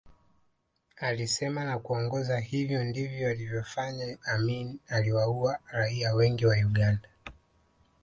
Alisema na kuongeza hivyo ndivyo alivyofanya Amin aliwaua raia wengi wa Uganda